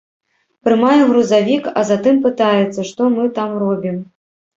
Прымае грузавік, а затым пытаецца, што мы там робім.